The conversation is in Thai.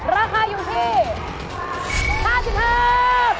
ราคาอยู่ที่๕๕เพคลา